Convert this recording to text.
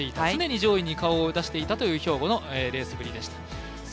常に上位に顔を出していたという兵庫のレースぶりでした。